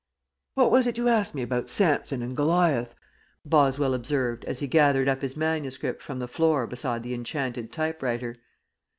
"What was it you asked me about Samson and Goliath?" Boswell observed, as he gathered up his manuscript from the floor beside the Enchanted Typewriter.